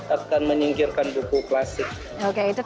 akan menyingkirkan buku klasik